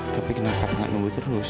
tapi kenapa nggak nunggu terus